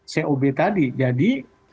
cob tadi jadi